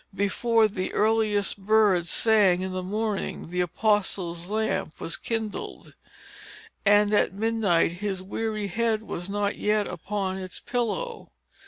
Before the earliest bird sang, in the morning, the apostle's lamp was kindled; and, at midnight, his weary head was not yet upon its pillow.